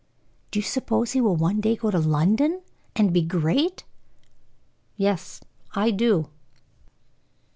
"Do you suppose he will one day go to London and be great?" "Yes, I do."